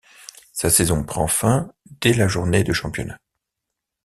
Sa saison prend fin dès la journée de championnat.